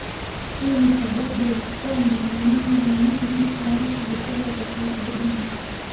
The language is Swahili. Hii ni sababu ya kwamba mimea wanyama na watu hupenda kukaa karibu na mito